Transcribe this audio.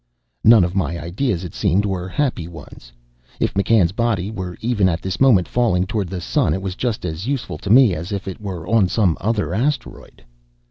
None of my ideas, it seemed, were happy ones. If McCann's body were even at this moment falling toward the sun, it was just as useful to me as if it were on some other asteroid.